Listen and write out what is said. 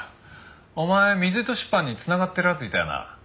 お前水糸出版に繋がってる奴いたよな？